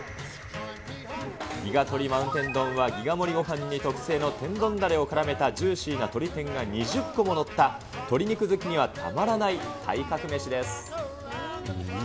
ＧＩＧＡ鶏マウンテン丼はギガ盛りごはんに特製の天丼だれをからめたジューシーな鶏天が２０個も載った、鶏肉好きにはたまらない体格メシです。